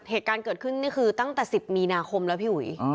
เหตุการณ์เกิดขึ้นนี่คือตั้งแต่๑๐มีนาคมแล้วพี่อุ๋ย